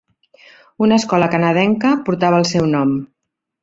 Una escola canadenca portava el seu nom.